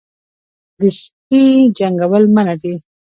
د سپي جنګول منع دي